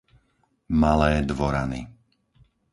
Malé Dvorany